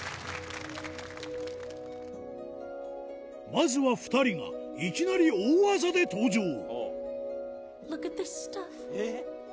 まずは２人がいきなり大技で登場えっ！